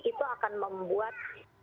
itu akan membuat